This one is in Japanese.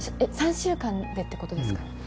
３週間でってことですか？